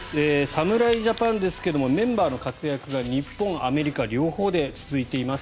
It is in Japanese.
侍ジャパンですけどもメンバーの活躍が日本、アメリカ両方で続いています。